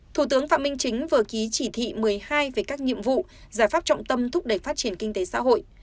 thủ tướng phạm minh chính vừa ký chỉ thị một mươi hai về các nhiệm vụ giải pháp trọng tâm thúc đẩy phát triển kinh tế xã hội